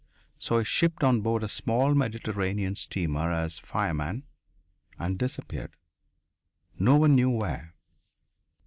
So he shipped on board a small Mediterranean steamer as fireman, and disappeared, no one knew where.